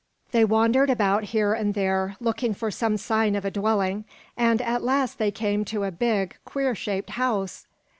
They wandered about here and there, looking for some sign of a dwelling, and at last they came to a big, queer shaped house.